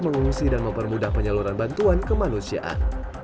mengungsi dan mempermudah penyaluran bantuan kemanusiaan sebelumnya otoritas perusahaan